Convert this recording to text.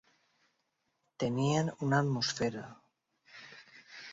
Tenien una atmosfera.